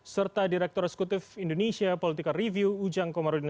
serta direktur eksekutif indonesia political review ujang komarudin